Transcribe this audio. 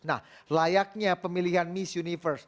nah layaknya pemilihan miss universe